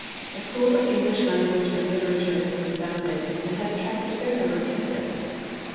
A School of English Language and Literature has been founded, and has attracted a fair number of candidates.